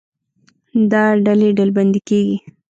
دا ډلې ډلبندي کېږي.